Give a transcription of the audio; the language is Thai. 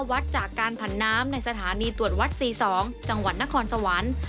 วัดจากการผันน้ำในสถานีตรวจวัด๔๒จังหวัดนครสวรรค์